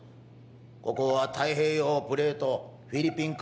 ここは太平洋プレートフィリピン海